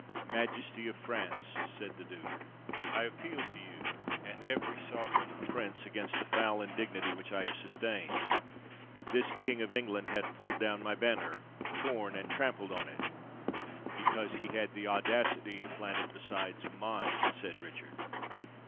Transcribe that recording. "Majesty of France," said the Duke, "I appeal to you and every sovereign prince against the foul indig nity which I have sustained. This King of England hath pulled down my banner — torn and trampled on it." " Because he had the audacity to plant it beside mine," said Richard.